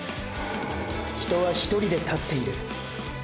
人は１人で立っている。